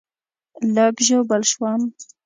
لږ ژوبل شوم